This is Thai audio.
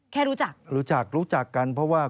แค่รู้จักรู้จักรู้จักกันเพราะว่า